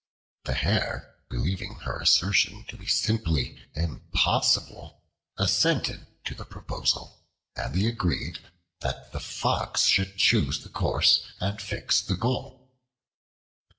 The Hare, believing her assertion to be simply impossible, assented to the proposal; and they agreed that the Fox should choose the course and fix the goal.